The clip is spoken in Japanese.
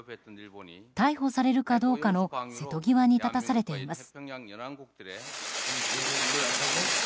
逮捕されるかどうかの瀬戸際に立たされています。